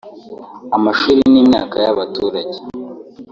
amashuri n’imyaka y’abaturage"